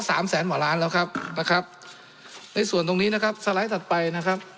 สามแสนกว่าล้านแล้วครับนะครับในส่วนตรงนี้นะครับสไลด์ถัดไปนะครับ